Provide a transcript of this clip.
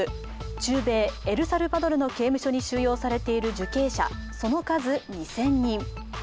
中米・エルサルバドルの刑務所に収容されている受刑者、その数２０００人。